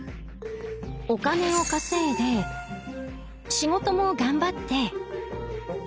お金を稼いで仕事も頑張って。